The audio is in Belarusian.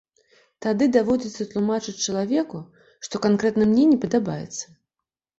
Тады даводзіцца тлумачыць чалавеку, што канкрэтна мне не падабаецца.